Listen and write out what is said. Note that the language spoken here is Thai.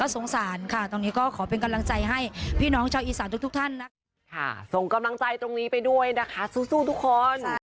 ส่งกำลังใจตรงนี้ไปด้วยนะคะสู้ทุกคน